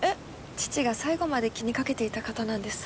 父が最後まで気に掛けていた方なんです。